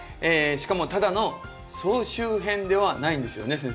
しかもただの総集編ではないんですよね？